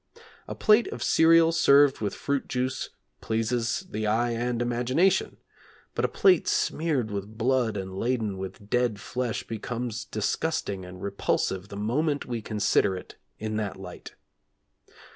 A plate of cereal served with fruit juice pleases the eye and imagination, but a plate smeared with blood and laden with dead flesh becomes disgusting and repulsive the moment we consider it in that light.